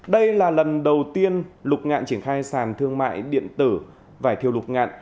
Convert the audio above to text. đây là lần đầu tiên lục ngạn triển khai sàn thương mại điện tử vải thiều lục ngạn